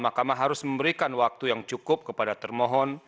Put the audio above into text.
mahkamah harus memberikan waktu yang cukup kepada termohon